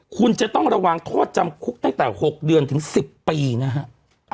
คุณจะต้องระวังโทษจำคุกตั้งแต่๖เดือนถึง๑๐ปีนะฮะ